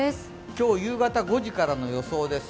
今日夕方５時からの予報です。